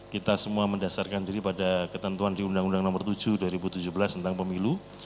kita semua mendasarkan diri pada ketentuan di undang undang nomor tujuh dua ribu tujuh belas tentang pemilu